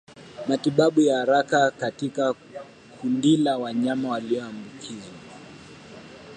Matibabu ya haraka katika kundila wanyama walioambukizwa